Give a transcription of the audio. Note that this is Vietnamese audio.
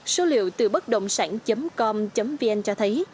số liệu từ bất động sản com vn cho thấy